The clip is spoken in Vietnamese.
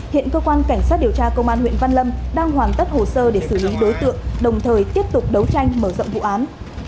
hiện cơ quan cảnh sát điều tra công an huyện văn lâm đang hoàn tất hồ sơ để xử lý đối tượng đồng thời tiếp tục đấu tranh mở rộng vụ án